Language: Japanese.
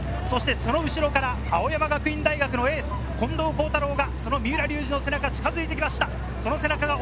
その後ろから青山学院大学エース・近藤幸太郎が三浦の背中に近づいてきました。